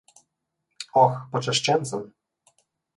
Oh... počaščen sem.